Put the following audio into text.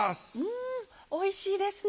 んおいしいですね。